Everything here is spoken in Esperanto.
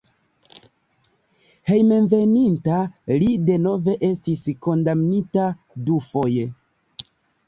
Hejmenveninta li denove estis kondamnita dufoje.